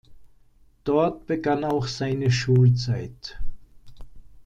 Dort begann auch seine Schulzeit.